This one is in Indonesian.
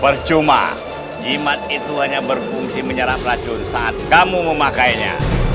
percuma jimat itu hanya berfungsi menyerap racun saat kamu memakainya